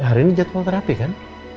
hari ini jadwal terapi kan